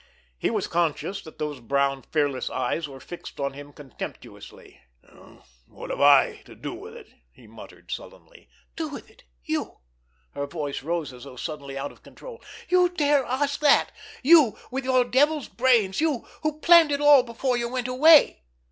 He was conscious that those brown, fearless eyes were fixed on him contemptuously. "What have I to do with it?" he muttered sullenly. "Do with it! You!" Her voice rose, as though suddenly out of control. "You dare ask that! You, with your devil's brains—you, who planned it all before you went away!"